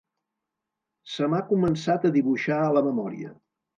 Se m'ha començat a dibuixar a la memòria